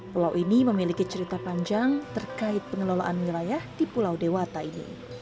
pulau ini memiliki cerita panjang terkait pengelolaan wilayah di pulau dewata ini